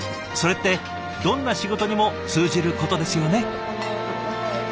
それってどんな仕事にも通じることですよね。